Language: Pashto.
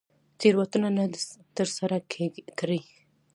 تېروتنه نه ده تر سره کړې.